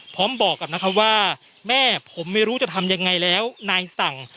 พร้อมบอกกับนักความ่าแม่ผมไม่รู้จะทำยังไงแล้วนายสั่ง